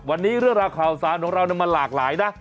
วันนี้เรื่องราวข่าวสารของเรามันหลากหลายนะ